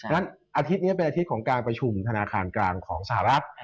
อาทิตย์นี้เป็นอาทิตย์ของการประชุมธนาคารกลางของสหรัฐ